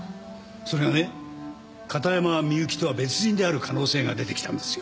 それがね片山みゆきとは別人である可能性が出てきたんですよ。